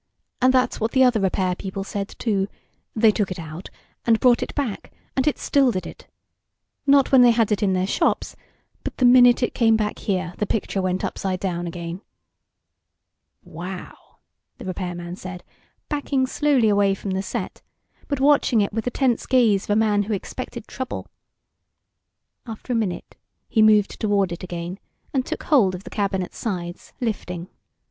"And that's what the other repair people said, too. They took it out, and brought it back, and it still did it. Not when they had it in their shops, but the minute it came back here, the picture went upside down again." "Wow," the repairman said, backing slowly away from the set, but watching it with the tense gaze of a man who expected trouble. After a minute he moved toward it again, and took hold of the cabinet sides, lifting.